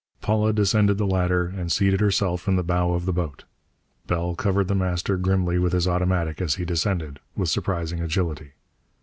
Paula descended the ladder and seated herself in the bow of the boat. Bell covered The Master grimly with his automatic as he descended, with surprising agility.